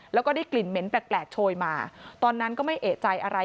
แล้วก็ได้กลิ่นเหม็นแปลกโชยมาตอนนั้นก็ไม่เอกใจอะไร